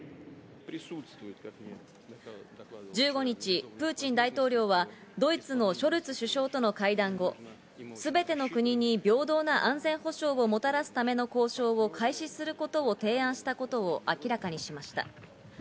１５日、プーチン大統領はドイツのショルツ首相との会談後、すべての国に平等な安全保障をもたらすための交渉を開始することを提案したことを明かしました。